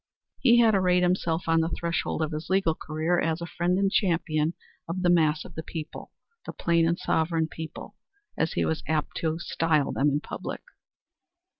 He had arrayed himself on the threshold of his legal career as a friend and champion of the mass of the people the plain and sovereign people, as he was apt to style them in public.